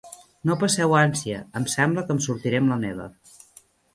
No passeu ànsia, em sembla que em sortiré amb la meva.